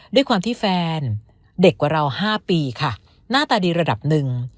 ด้วยความที่แฟนเด็กกว่าเรา๕ปีค่ะหน้าตาดีระดับหนึ่ง